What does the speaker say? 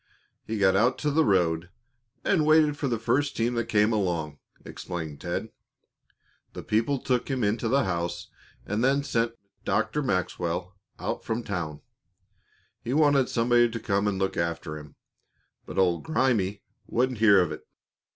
"He got out to the road and waited for the first team that came along," explained Ted. "The people took him into the house, and then sent Dr. Maxwell out from town. He wanted somebody to come and look after him, but old Grimey wouldn't hear of it.